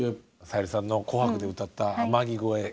さゆりさんの「紅白」で歌った「天城越え」